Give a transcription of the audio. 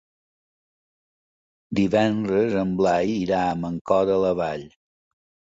Divendres en Blai irà a Mancor de la Vall.